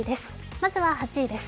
まずは８位です。